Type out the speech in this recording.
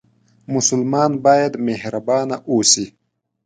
مسلمان باید مهربانه اوسي